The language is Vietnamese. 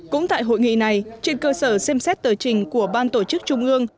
cũng tại hội nghị này trên cơ sở xem xét tờ trình của ban tổ chức trung ương